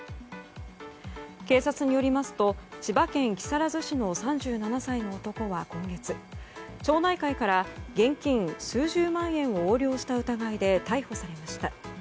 警察によりますと千葉県木更津市の３７歳の男は今月、町内会から現金数十万円を横領した疑いで逮捕されました。